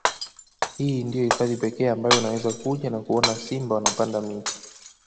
Hii ndiyo hifadhi pekee ambayo unaweza kuja na kuona simba wanapanda miti